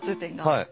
はい。